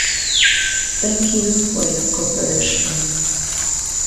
The band have toured with the Australian band End Of Fashion.